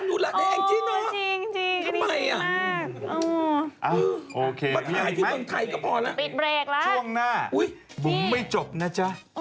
ถูกเอามาหามดดำอีกนะจ๊ะ